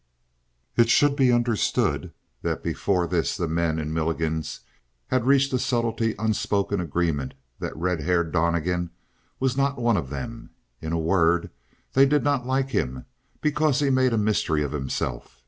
20 It should be understood that before this the men in Milligan's had reached a subtly unspoken agreement that red haired Donnegan was not one of them. In a word, they did not like him because he made a mystery of himself.